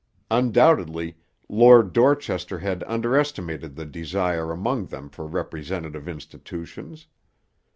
Undoubtedly Lord Dorchester had underestimated the desire among them for representative institutions.